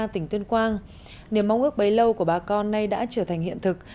tỉnh tuyên quang niềm mong ước bấy lâu của bà con nay đã trở thành hiện thực